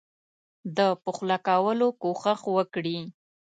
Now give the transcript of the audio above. د پخلا کولو کوښښ وکړي.